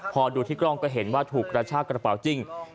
พอดูที่กล้องก็เห็นว่าถูกกระชากระเป๋าจริง